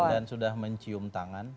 dan sudah mencium tangan